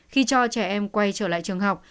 khi cho trẻ em quay trở lại trường học